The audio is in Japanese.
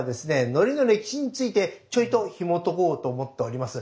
のりの歴史についてちょいとひもとこうと思っております。